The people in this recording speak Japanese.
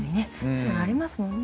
そういうのありますもんね。